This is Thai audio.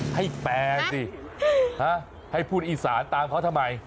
แปลสิให้พูดอีสานตามเขาทำไม